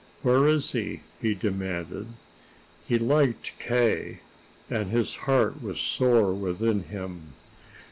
"Where is he?" he demanded. He liked K., and his heart was sore within him.